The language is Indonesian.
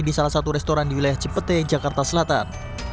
di salah satu restoran di wilayah cipete jakarta selatan